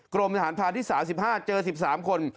กรมอาหารพาที่สามสิบห้าเจอสิบสามคน